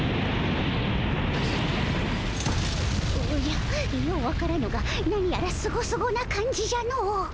おじゃよう分からぬが何やらスゴスゴな感じじゃのう。